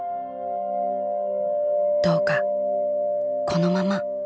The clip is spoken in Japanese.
どうかこのまま。